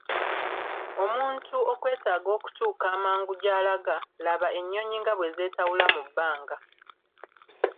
Omuntu okwetaaga okutuuka amangu gy'alaga, laba ennyonyi nga bwe zeetawula mu bbanga.